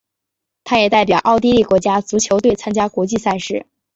他也代表奥地利国家足球队参加国际赛事。